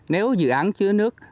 nếu dự án chứa nước